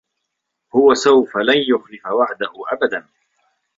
هو سوف لن يخلف وعده أبدا.